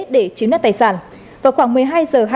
để chiếm đặt tài sản vào khoảng một mươi hai giờ